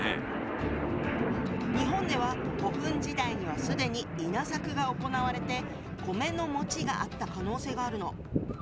日本では古墳時代には既に稲作が行われて米のがあった可能性があるの。